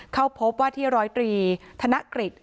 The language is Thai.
เข้าพบว่าที่ร้อยตรีธนกฤษ